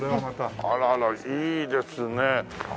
あらあらいいですね。